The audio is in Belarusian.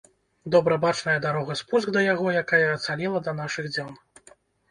Добра бачная дарога-спуск да яго, якая ацалела да нашых дзён.